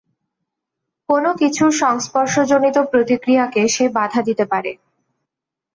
কোন কিছুর সংস্পর্শ-জনিত প্রতিক্রিয়াকে সে বাধা দিতে পারে।